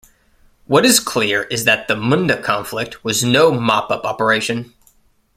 What is clear is that the Munda conflict was no mop-up operation.